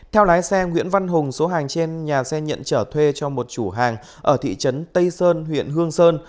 theo lái xe nguyễn văn hùng số hàng trên nhà xe nhận trở thuê cho một chủ hàng ở thị trấn tây sơn huyện hương sơn